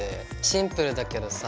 シンプルだけどさ